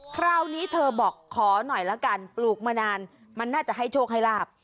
คราวนี้เธอบอกขอหน่อยละกันปลูกมานานมันน่าจะให้โชคให้ลาบ